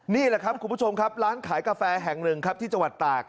นี่แหละครับคุณผู้ชมครับร้านขายกาแฟแห่งหนึ่งครับที่จังหวัดตาก